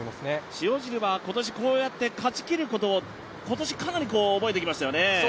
塩尻は今年こうやって勝ちきることをかなり覚えてきましたよね。